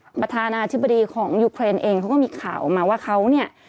ประธานาธิบดีของยูเครนเองเขาก็มีข่าวออกมาว่าเขาเนี่ย